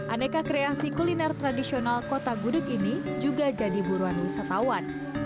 aneka kreasi kuliner tradisional kota gudeg ini juga jadi buruan wisatawan